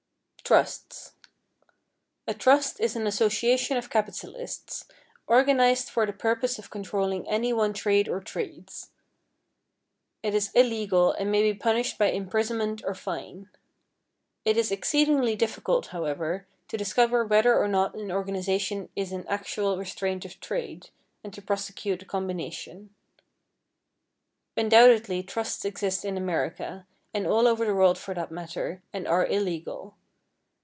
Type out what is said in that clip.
=Trusts.= A trust is an association of capitalists, organized for the purpose of controlling any one trade or trades. It is illegal and may be punished by imprisonment or fine. It is exceedingly difficult, however, to discover whether or not an organization is in actual restraint of trade, and to prosecute a combination. Undoubtedly trusts exist in America, and all over the world for that matter, and are illegal.